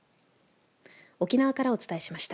沖縄からお伝えしました。